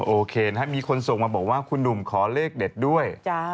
โอเคนะครับมีคนส่งมาบอกว่าคุณหนุ่มขอเลขเด็ดด้วย